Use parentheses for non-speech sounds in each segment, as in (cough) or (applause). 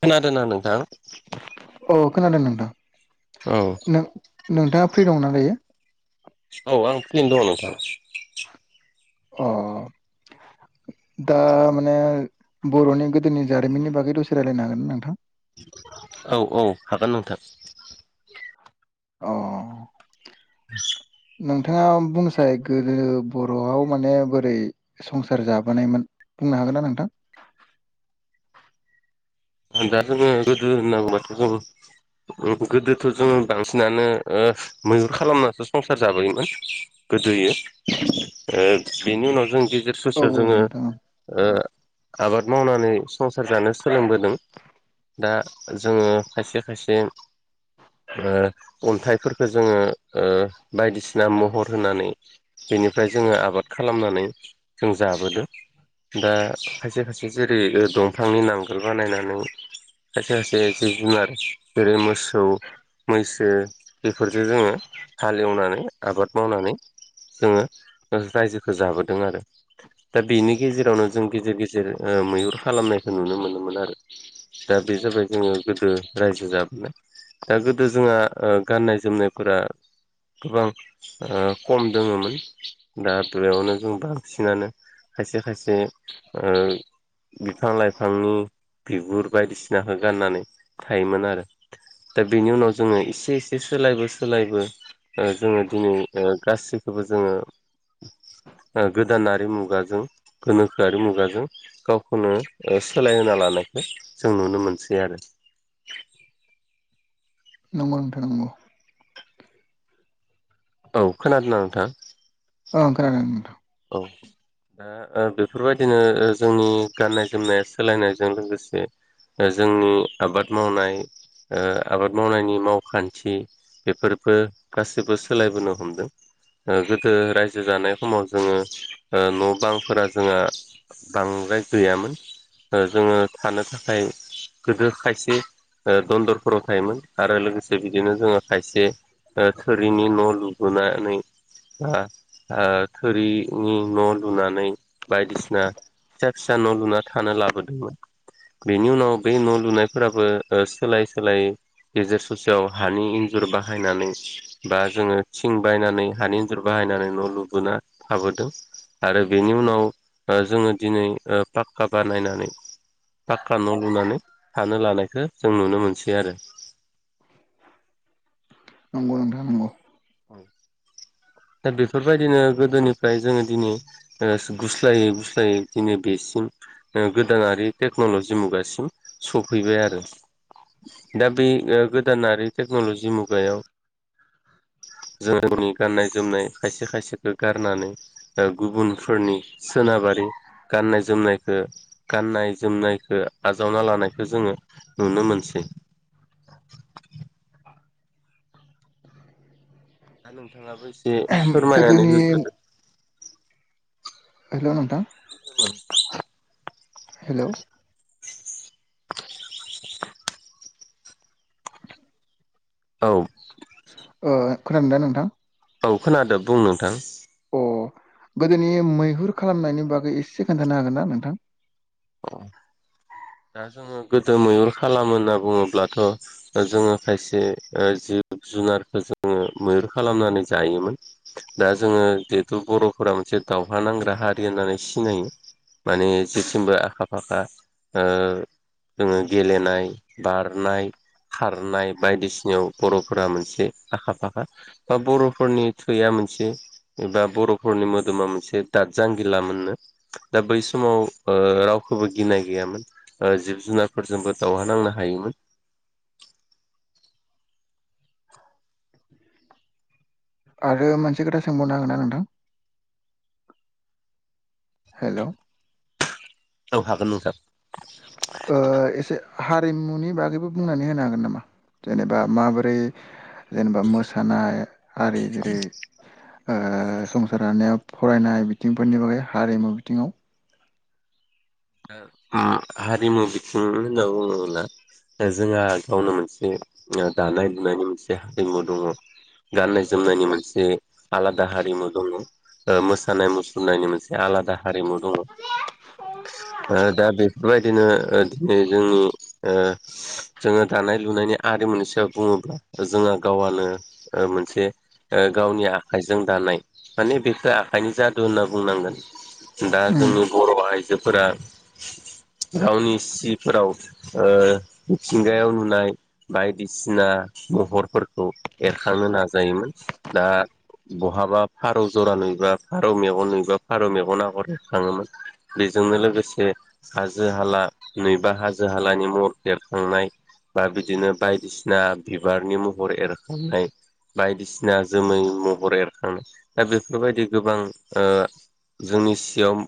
खोनादोंना नोंथां? ओ खोनादों नोंथां। औ नों नोंथाङा फ्रि दंना दायो? औ आं फिरियानो दङ नोंथां। अ दा माने बर'नि गोदोनि जारिमिननि बागै दसे रायलायनो हागोन ना नोंथां? औ औ हागोन नोंथां। अ (inaudible) नोंथाङा बुंसै गोदो बर'आव माने बोरै संसार जाबोनायमोन। नो हागोन ना नोंथां? दा जोंङो गोदो होनबाथ' जों गोदोथ' जोङो बांसिनानो मैहुर खालामनासो संसार जाबोयोमोन गोदोयो ओ बेनि उनाव जों गिदिर औ ससेयाव औ जोङो नोंथां औ ओ आबाद मावनानै संसार जानो सोलोंबोदों। दा जोङो खायसे खायसे अन्थाइफोरखौ जोङो बायदिसिना महर होनानै बेनिफ्राय जोङो आबाद खालामनानै जों जाबोदो। दा खायसे खायसे जेरै ओ दंफांनि नांगोल बानायनानै खायसे खायसे जिब जुनार जेरै मोसौ मैसो बेफोरजो जोङो हालेवनानै आबाद मावनानै जोङो रायजोख जाबोदों आरो। दा बेनि गेजेरावनो जों गेजेर गेजेर ओ मैहुर खालामनायखो नुनो मोनोमोन आरो। दा बे जाबाय जोङो गोदो रायजो जाबोनाय। दा गोदो जोंहा ओ गाननाय जोमनायफोरा गोबां ओ खम दोङोमोन। दा बेयावनो जों बांसिनानो खायसे खायसे ओ बिफां लाइफांनि बिगुर बायदिसिनाखो गाननानै थायोमोन आरो। दा बिनि उनाव जोङो इसे इसे सोलायबो सोलायबो ओ जोङो दिनै ओ गासैखोबो जोङो (inaudible) ओ गोदानारि मुगाजों गोनोखोआरि मुगाजों गावखौनो ओ सोलायहोना लान नायखो जों नुनो मोनसै आरो। नंगौ नोंथां नंगौ। औ खोनादोंना नोंथां? ओं खोनादों नोंथां। औ दा ओ बेफोरबायदिनो ओ जोंनि गाननाय जोमनाया सोलायनायजों लोगोसे दा जोंनि आबाद मावनाय ओ आबाद मावनायनि मावखान्थि बेफोरबो गासैबो सोलायबोनो हमदों। ओ गोदो रायजो जानाय खमाव जोङो ओ न' बांफोरा जोङा बांद्राय गैयामोन। ओ जोङो थानो थाखाय गोदो खायसे ओ दन्दरफोराव थायोमोन आरो लोगोसे बिदिनो जोङो खायसे ओ थोरिनि न लुबोनानै बा ओ थोरिनि न' लुनानै बायदिसिना फिसा फिसा न' लुना थानो लाबोदोंमोन। बेनि उनाव बे न' लुनायफोराबो ओ सोलाय सोलायै गेजेर ससेयाव हानि इन्जुर बाहायनानै बा जोङो थिं बायनानै हानि इन्जुर बा हायनानै न' लुबोना थाबोदों आरो बेनि उनाव बा जोङो दिनै ओ पाक्का बानायनानै पाक्का न' लुनानै थानो लानायखो जों नुनो मोनसै आरो। नंगौ नोंथां नंगौ। (inaudible) दा बेफोर बायदिनो गोदोनिफ्राय जोङो दिनै ओ सु गुस्लायै गुस्लायै दिनै बेस थिं ओ गोदानारि टेक्न'लजि मुगासिम सफैबाय आरो। दा बि ओ गोदानारि टेक्न'लजि मुगायाव (inaudible) जों (inaudible) गाननाय जोमनाय खायसे खायसेखो गारनानै ओ गुबुनफोरनि सोनाबा रि गानाय जोमनायखो गानाय जोमनायखो आजावना लानायखो जोङो नु नुनोमोनसै। (inaudible) दा नोंथाङाबो एसे फोरमायनानै गोदोनि होग्रोदो। हेल' नोंथां। (inaudible) हेल' ओ (inaudible) औ ओ खोनादोंदा नोंथां? औ खोनादो बुं नोंथां। अ गोदोनि मैहुर खालामनायनि बागै एसे खोन्थानो हागोन ना नोंथां? अ दा जोङो गोदो मैुहुर खालामो होनना बुङोब्लाथ' जोङो खायसे ओ जिब जिब जुनारखो जोङो मैहुर खालामनानै जायोमोन दा जोङो जिहेथु बर'फोरा मोन से दावहा नांग्रा हारि होननानै सिनायो माने जेथिंबो आखा फाखा ओ जोङो गेलेनाय बारनाय खारनाय बायदिसिनायाव बर'फोरा मोनसे आखा फाखा बा बर'फोरनि थुया मोनसे एबा बर'फोरनि मोदोमा मोनसे दाद जांगिलामोननो दा बै समाव ओ राव खौबो गिनाय गैयामोन। ओ जिब जुनारफोरजोंबो दावहा नांनो हायोमोन। आरो मोनसे खोथा सोंबावनो हागोन ना नोंथां? हेल' औ हागोन नोंथां। ओ एसे हारिमुनि बागैबो बुंनानै होनो हागोन नामा? जेनेबा माबोरै जेनेबा मोसानाय आरि जेरै ओ संसार जानायाव फरायनाय बिथिंफोरनि बागै हारिमु बिथिङाव। ओ उम हारिमु बिथिं होनना बुङोब्ला। ओ जोंहा गावनो मोनसे ओ दानाय लुनायनि मोनसे हारिमु दङ'। गाननाय जोमनायनि मोनसे आलादा हारिमु दङ। मोसानाय मुसुरनायनि मोनसे आलादा हारिमु दङ। ओ दा बिफोर बायदिनो ओ दिनै ओ जोंनि जोङो दानाय लुनाय बिनि आरिमुनि सायाव बुङोब्ला जोंहा गावआनो ओ मोनसे। ओ गावनि आखाइजों दानाय माने बेखो आखाइनि जादु होनना बुंनांगोन। दा उम जोंनि बर' आइजोफोरा गावनि सिफोराव ओ मिथिंगायाव नुनाय बायदिसिना महरफोरखौ एरखांनो नाजायोमोन दा बहाबा फारौ जरा नुयोबा फारौ मेगन नुयोबा फारौ मेगन आगर थङोमोन बे जोंनो लोगोसे हाजो हाला नैबा हाजो हालानि महरखौ एरखांनाय बा बिदिनो बायदिसिना बिबारनि महर एरखांनाय। बायदिसिना जोमै महर एरखांनाय दा बेफोरबायदि गोबां। जोंनि सियाव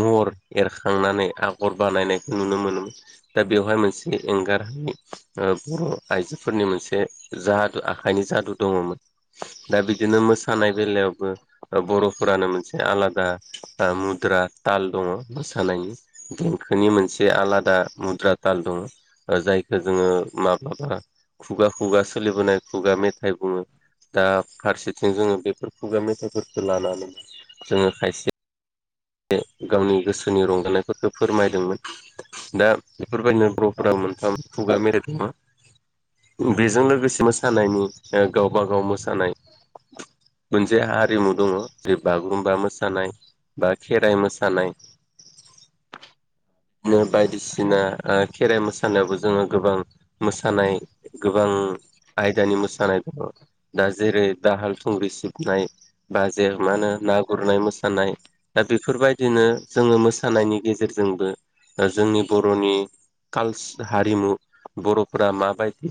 महर एरखांनानै आगर बानायनायखौ नुनो मोनोमोन दा बेवहाय मोनसे एंगारहाय। बर' आइजोफोरनि मोनसे जादु आखाइनि जादु दङमोन। दा बिदिनो मोसानाय बेलायावबो बर'फोरानो मोनसे आलादा मुदा ताल दङ। मोसानायनि देंखोनि मोनसे आलादा मुद्रा ताल दङ जायखौ जोङो। माब्लाबा खुगा खुगा सोलिबोनाय खुगा मेथाइ बुङो दा फारसेथिं जोङो बेफोर खुगा मेथाइफोरखौ लानानै जोङो खायसे। गावनि गोसोआव जोंनि रंजानायफोरखौ फोरमायदोंमोन दा बेफोरबायदिनो बर'फोरा मोनथाम खुगा मेथाइ (inaudible) बेजों लोगोसे मोसानायनि गावबा गाव मोस मोनसे हारिमु दङ जे बागुरुम्बा मो सानाय बा खेराइ मोसानाय (inaudible) बायदिसिना खेराइ मोसानायावबो जोङो गोबां मोसानाय गोबां आयदानि मोसानाय दङ दा जेरै दाहाल थुंग्रि सिबनाय। बा जे मा होनो ना गुरनाय मोसानाय दा बेफोरबायदिनो जोङो मोसानायनि गेजेरजोंबो जोंनि बर'नि कालस हारिमु बर'फोरा मा बायदि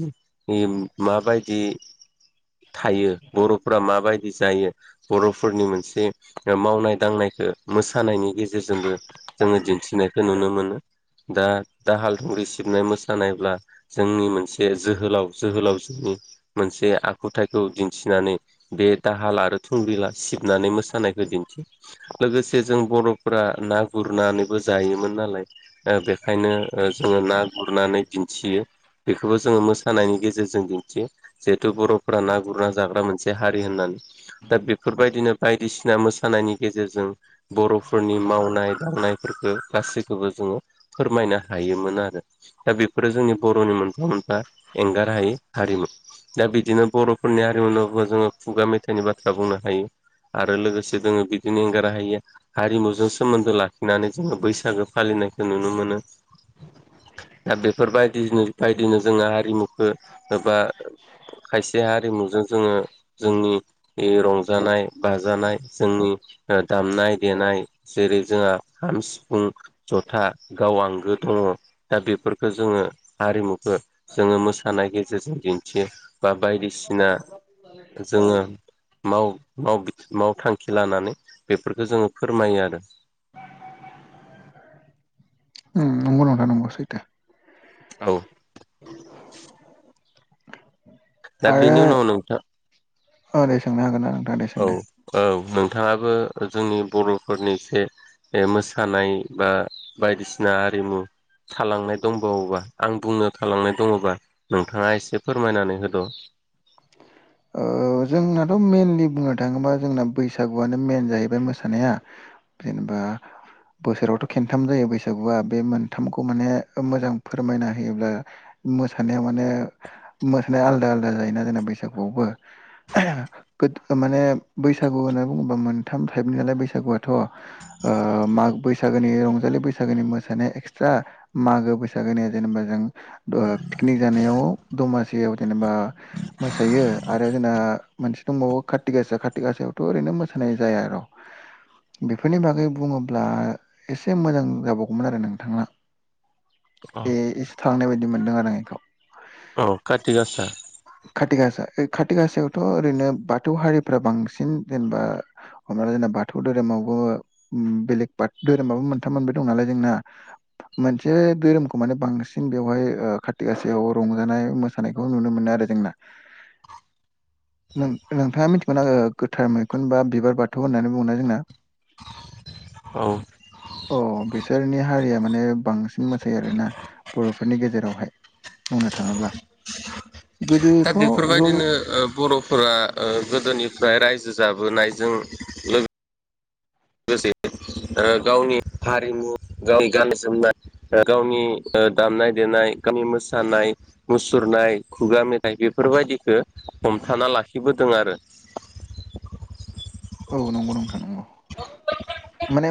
मा बायदि थायो बर'फोरा माबायदि जायो बर'फोरनि मोनसे ओ मावनाय दांनाय खो मोसानायनि गेजेरजोंबो जोङो दिन्थिनायखो नुनो मोनो। दा दाहाल दुंग्रि सिबनाय मोसानायब्ला जोंनि मोनसे जोहोलाव जोहोलाव जोनि नि मोनसे आखुथायखौ दिन्थिनानै बे दाहाल आरो थुंग्रि ला सिबनानै मोसानाय खो दिन्थि लोगोसे जों बर' फोरा ना गुरनानैबो जायोमोन नालाय ओ बेखायनो ओ जोङो ना गुरनानै दिन थियो। बेखोबो जोङो मोसानायनि गेजेरजों दिन्थियो जिहेथु बर'फोरा ना गुरना जाग्रा मोनसे हारि होनना दा बेफोरबायदिनो बायदिसिना मोसानायनि गेजेरजों बर' नि मावनाय दांनायफोरखो गासिखोबो जोङो फोरमायनो हायोमोन आरो। दा बेफोर ओ जोंनि बर'नि मोनफा मोनफा एंगार हायै हारिमु। दा बिदिनो बर'फोरनि हारि (unintelligible) जोङो खुगा मेथाइनि बाथ्रा बुंनो हायो। आरो लोगोसे जोङो बिदिनो एंगार हायिया हारिमुजों सोमोन्दो लाख खिनानै जोङो बैसागो फालिनायखो नुनो मोनो। दा बेफोरबायदिनि बायदिनो जोङो हारिमुखो ओबा खायसे हारिमुजों जोङो जोंनि इ रंजानाय बाजानाय जोंनि ओ दामनाय देनाय जेरै जोंहा खाम, सिफुं, जथा गाव आंगो दङ दा बे फोरखो जोङो आरिमुखो जोङो मोसानाय गेजेरजों दिन थियो बा बायदिसिना जोङो माव-माव बि मावथांखि लानानै बेफोरखो जोङो फोरमायो आरो। उम नंगौ नोंथां नंगौ सैथो। औ। दा बिनि उनाव नोंथा औ दे सोंनो हागोन ना नों औ औ नोंथाङाबो जोंनि बर'फोरनि एसे जे मोसानाय बा बायदिसिना आरिमु थालांनाय दंबावोबा आं बुंनो थालांनाय दङबा नोंथाङा एसे फोरमायनानै होद'। ओ ओ जोंनाथ' मेनलि बुंनो थाङोबा जोंना बैसागुआनो मेन जाहैबाय मोसानाया। जेनेबा बोसोरावथ' खेनथाम जायो बैसागुआ। बे मोनथामखौ माने मोजां फोरमायना होयोब्ला मोसानायाव माने मोसानाया आलदा आलदा जायोना जोंना बैसागुआवबो गोद ओ माने बैसागु होनना बुङोबा मोनथाम टाइपनि नालाय बैसागुथ'। ओ माग बैसागोनि रंजालि बैसागोनि मोसानाया एक्सट्रा मागो बैसागोनिया जेनेबा जों ओ पिकनिक जानायाव दमासियाव जेनेबा मोसायो आरो जोना मोनसे दंबावो काटिग गासा काटिग गासायावथ' ओरैनो मोसानाय जाया र'। बेफोरनि बागै बुङोब्ला एसे मोजां जाबावगौमोन आरो नोंथांआ। ए एसे थालांनाय बायदि मोनदों आरो आं एखौ। औ काथिग आसा। खाथि गासा खाथि गासायावथ' ओरैनो बाथौ हारिफ्रा बांसिन जेनेबा हमना ला जोंना बाथौ धोरोमावबो उम बेलेग बाथ धोरोमाबो मोनथाम मोनब्रै दं नालाय जोंना। मोनसे धोरोमखौ माने बांसिन बेवहाय ओ खाथि गासायाव रंजानाय मोसानायखौ नुनो मोनो। आरो जोंना। नों नोंथाङा मिनथिगौना ओ गोथार मैखुन बा बिबार बाथौ होननानै बुङोना जोंना (inaudible) औ। अ बेसोरनि हारिया माने बांसिन मोसायो आरोना बर'फोरनि गेजेरावहाय। बुंनो थाङोब्ला दा गोदोथ' ज' बेफोरबायदिनो ज' बर' फोरा गोदोनिफ्राय रायजो जाबोनायजों लोगो गावनि हारिमु गावनि गाननाय जोमनाय गावनि दामनाय देनाय गामि मोसानाय मुसुरनाय खुगा मेथाइ बेफोरबायदिखौ हमथाना लाखिबो बोदों आरो (inaudible) औ नंगौ नोंथां नंगौ माने